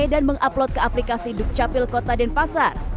dan mengupload ke aplikasi dukcapil kota denpasar